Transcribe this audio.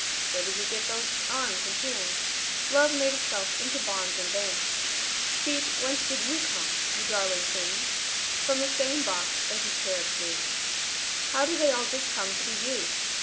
Where did you get those arms and hands? Love made itself into bonds and bands. Feet, whence did you come, you darling things? From the same box as the cherubs' wings. How did they all just come to be you?